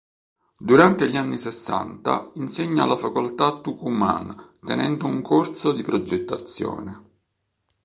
Durante gli anni sessanta insegna alla facoltà Tucumán tenendo un corso di progettazione.